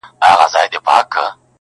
د خیال پر ښار مي لکه ستوری ځلېدلې-